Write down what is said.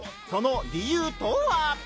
その理由とは！？